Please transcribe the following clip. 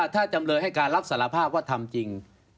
ถ้าจำเลยให้การรับสารภาพว่าทำจริง